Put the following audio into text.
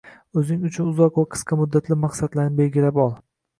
O‘zing uchun uzoq va qisqa muddatli maqsadlarni belgilab ol.